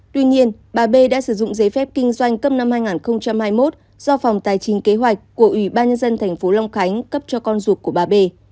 tuy nhiên bà b đã sử dụng giấy phép kinh doanh cấp năm hai nghìn hai mươi một do phòng tài chính kế hoạch của ủy ban nhân dân tp long khánh cấp cho con ruột của bà b